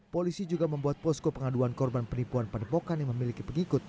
polisi juga membuat posko pengaduan korban penipuan padepokan yang memiliki pengikut